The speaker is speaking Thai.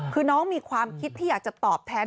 คือน้องมีความคิดที่อยากจะตอบแทน